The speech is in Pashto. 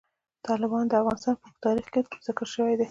تالابونه د افغانستان په اوږده تاریخ کې ذکر شوي دي.